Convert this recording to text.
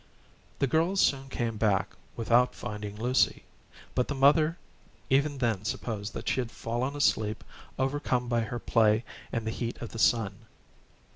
The girls soon came back without finding Lucy, but the mother even then supposed that she had fallen asleep, overcome by her play and the heat of the sun.